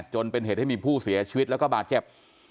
จนเป็นเหตุให้มีผู้เสียชีวิตแล้วก็บาดเจ็บ